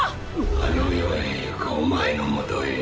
あの世へ逝くお前のもとへね。